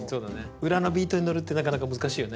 裏のビートに乗るってなかなか難しいよね。